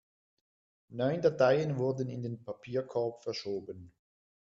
Neun Dateien wurden in den Papierkorb verschoben.